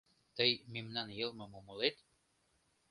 — Тый мемнан йылмым умылет?